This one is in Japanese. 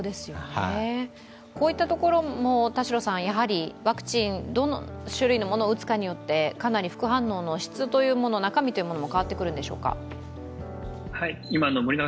こういったところもやはりワクチン、どの種類のものを打つかによってかなり副反応の質、中身も変わってくるんでしょうか？